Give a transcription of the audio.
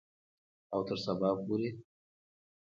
او تر سبا پورې.